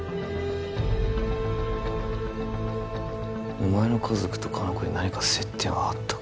お前の家族と香菜子に何か接点はあったか？